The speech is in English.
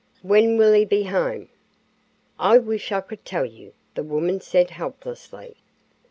"When will he be home?" "I wish I could tell you," the woman said, helplessly.